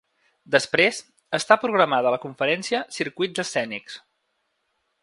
Després, està programada la conferència Circuits escènics.